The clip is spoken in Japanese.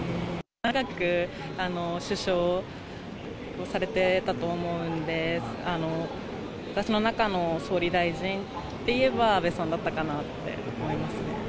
長く首相をされてたと思うんで、私の中の総理大臣っていえば、安倍さんだったかなって思います。